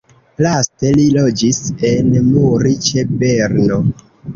Laste li loĝis en Muri ĉe Berno.